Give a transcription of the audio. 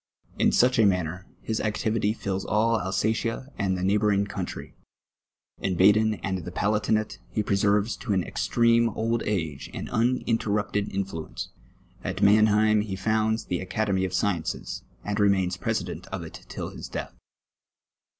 In such a man ner, his activity fills all Alsatia and the neighbouring countrj' ; in Baden and the Palatinate he preserves to an extreme old age an uninterrupted iuHuence ; at [Mannheim he founds the Academy of Sciences, and remains president of it till his death.